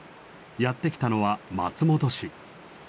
やって来たのは松本市。